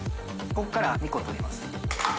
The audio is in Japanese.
ここから２個取ります。